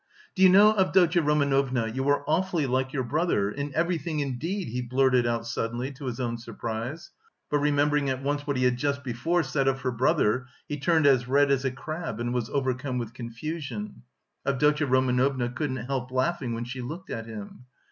"Do you know, Avdotya Romanovna, you are awfully like your brother, in everything, indeed!" he blurted out suddenly to his own surprise, but remembering at once what he had just before said of her brother, he turned as red as a crab and was overcome with confusion. Avdotya Romanovna couldn't help laughing when she looked at him.